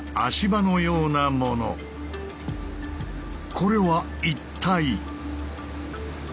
これは一体？